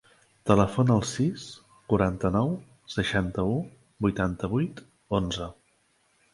Telefona al sis, quaranta-nou, seixanta-u, vuitanta-vuit, onze.